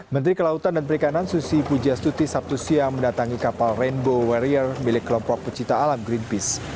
menteri kelautan dan perikanan susi pujastuti sabtu siang mendatangi kapal rainbow warrior milik kelompok pecinta alam greenpeace